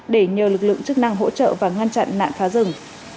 để nhờ lực lượng chức năng hỗ trợ và ngăn chặn nạn phá rừng